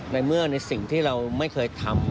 ในเมื่อในสิ่งที่เราไม่เคยทำ